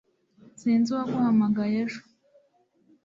sinzi uwaguhamagaye ejo